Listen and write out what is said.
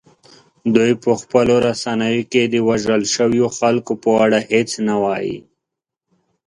دوی په خپلو رسنیو کې د وژل شویو خلکو په اړه هیڅ نه وايي